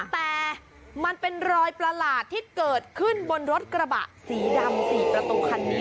แต่มันเป็นรอยประหลาดที่เกิดขึ้นบนรถกระบะสีดำ๔ประตูคันนี้